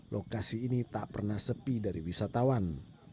lokasi ini tak pernah sepi dari wisatawan